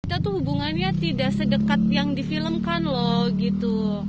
kita tuh hubungannya tidak sedekat yang difilmkan loh gitu